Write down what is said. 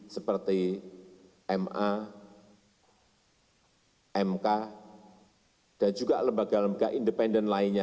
seperti ma mk dan juga lembaga lembaga independen lainnya